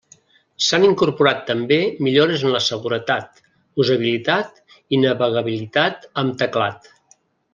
S'han incorporat també millores en la seguretat, usabilitat i navegabilitat amb teclat.